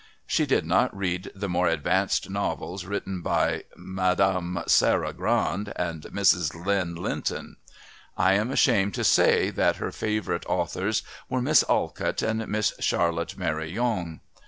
She did not read the more advanced novels written by Mme. Sarah Grand and Mrs. Lynn Linton. I am ashamed to say that her favourite authors were Miss Alcott and Miss Charlotte Mary Yonge.